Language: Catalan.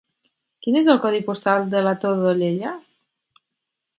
Quin és el codi postal de la Todolella?